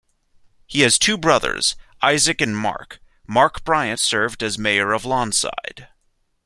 He has two brothers, Isaac and Mark; Mark Bryant served as mayor of Lawnside.